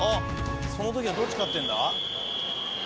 「その時はどっち勝ってるんだ？」